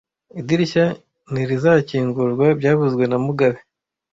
Idirishya ntirizakingurwa byavuzwe na mugabe